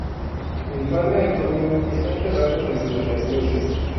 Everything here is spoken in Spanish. El Padre Antonio está enterrado dentro de la iglesia.